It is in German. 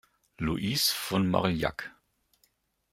Luise von Marillac.